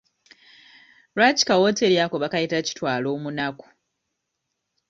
Lwaki ka wooteeri ako bakayita kitwaloomunaku?